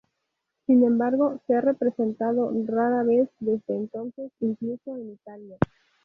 Sin embargo, se ha representado rara vez desde entonces, incluso en Italia.